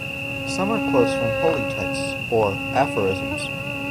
Some are quotes from holy texts, or aphorisms.